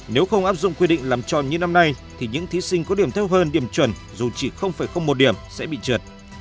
nếu không áp dụng quy định làm tròn như năm nay thì những thí sinh có điểm thấp hơn điểm chuẩn dù chỉ một điểm sẽ bị trượt